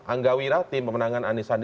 angga wira tim pemenangan anies sandi